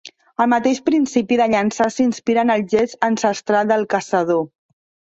El mateix principi de llançar s'inspira en el gest ancestral del caçador